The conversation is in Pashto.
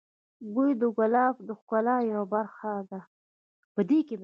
بوی د ګلاب د ښکلا یوه برخه ده.